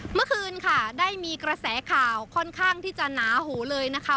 เมื่อคืนค่ะได้มีกระแสข่าวค่อนข้างที่จะหนาหูเลยนะคะ